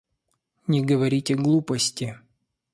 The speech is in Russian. Не говорите глупости.